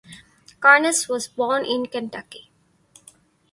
Karnes was born in Kentucky.